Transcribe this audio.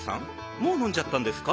もうのんじゃったんですか？